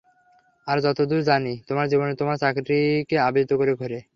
আর যতদূর জানি, তোমার জীবন তোমার চাকরিকে আবৃত করে ঘোরে।